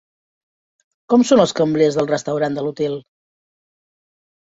Com són els cambrers del restaurant de l'hotel?